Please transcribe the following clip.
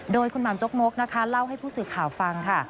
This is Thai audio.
โดยคุณหม่ำจกมกนะคะเล่าให้ผู้สื่อข่าวฟังค่ะ